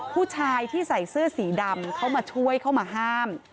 ผู้ชายที่ใส่เสื้อสีดำเข้ามาช่วยเข้ามาห้าม